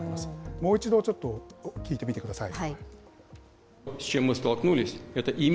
もう一度、ちょっと聞いてみてください。